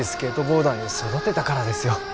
ボーダーに育てたからですよ